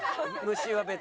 虫は別に。